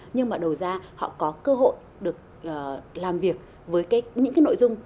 nhưng mà đầu ra họ có cơ hội được làm việc với những cái nội dung